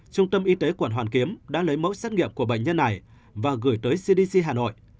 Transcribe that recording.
trung tâm y tế quận hoàn kiếm đã lấy mẫu xét nghiệm của bệnh nhân này và gửi tới cdc hà nội